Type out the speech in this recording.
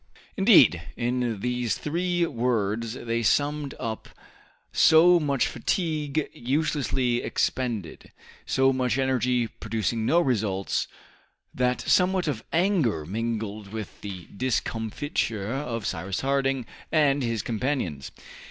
Indeed, in these three words was summed up so much fatigue uselessly expended, so much energy producing no results, that somewhat of anger mingled with the discomfiture of Cyrus Harding and his companions.